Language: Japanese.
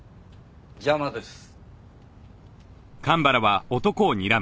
邪魔です。